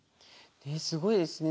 すごいですね。